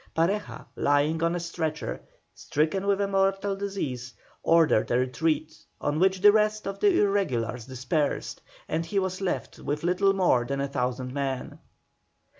Pareja, lying on a stretcher, stricken with a mortal disease, ordered a retreat, on which the rest of the irregulars dispersed, and he was left with little more than a thousand men.